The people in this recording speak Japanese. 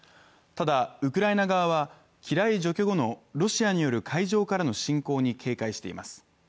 ただウクライナ側は、機雷除去後のロシアによる海上からの侵攻に警戒しています。